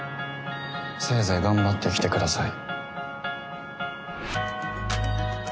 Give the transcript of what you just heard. せいぜい頑張ってきてください。